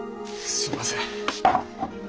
すいません。